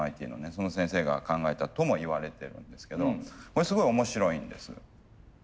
その先生が考えたともいわれているんですけどこれすごい面白いんです。